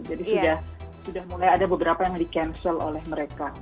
jadi sudah mulai ada beberapa yang di cancel oleh mereka